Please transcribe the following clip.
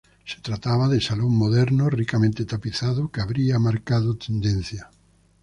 Se trataba de salón moderno ricamente tapizado, que habría marcado tendencia.